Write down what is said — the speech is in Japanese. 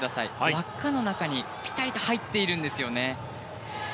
輪っかの中にぴたりと入っているんですよね。